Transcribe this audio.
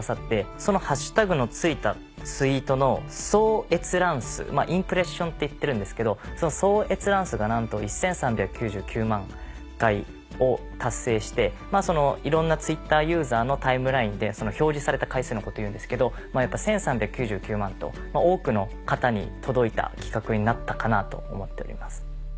そのハッシュタグの付いたツイートの総閲覧数インプレッションって言ってるんですけどその総閲覧数がなんと１３９９万回を達成していろんなＴｗｉｔｔｅｒユーザーのタイムラインで表示された回数のことをいうんですけど１３９９万と多くの方に届いた企画になったかなと思っております。